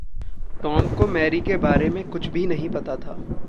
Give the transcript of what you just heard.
Tom को Mary के बारे में कुछ भी नहीं पता था।